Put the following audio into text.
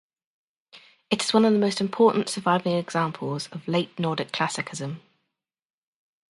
It is one of the most important surviving examples of late Nordic Classicism.